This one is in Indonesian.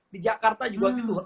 di jakarta juga gitu